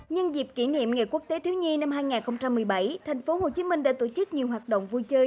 nhân dịp kỷ niệm nghề quốc tế thiếu nhi năm hai nghìn một mươi bảy thành phố hồ chí minh đã tổ chức nhiều hoạt động vui chơi